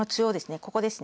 ここですね。